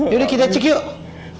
yaudah kita cek yuk